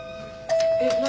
えっ何？